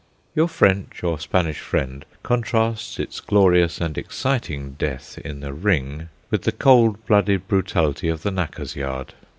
Your French or Spanish friend contrasts its glorious and exciting death in the ring with the cold blooded brutality of the knacker's yard.